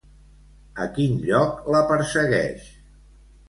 A quin lloc la persegueix?